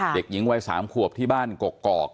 เด็กหญิงวัย๓ขวบที่บ้านกกอก